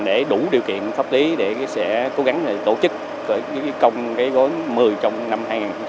để đủ điều kiện pháp lý để sẽ cố gắng tổ chức công cái gối một mươi trong năm hai nghìn hai mươi